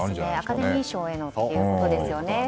アカデミー賞へのということですよね。